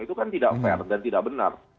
itu kan tidak fair dan tidak benar